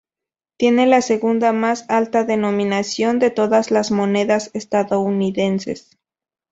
Tiene la segunda más alta denominación de todas las monedas estadounidenses.